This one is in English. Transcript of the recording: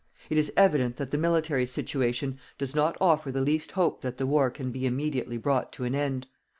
It is evident that the military situation does not offer the least hope that the war can be immediately brought to an end.